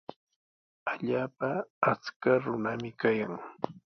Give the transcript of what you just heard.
Allaapa achka runami kayan.